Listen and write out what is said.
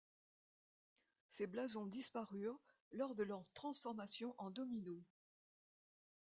Ces blasons disparurent lors de leur transformations en Domino.